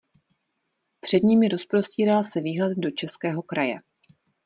Před nimi rozprostíral se výhled do českého kraje.